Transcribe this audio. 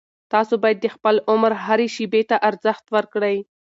تاسو باید د خپل عمر هرې شېبې ته ارزښت ورکړئ.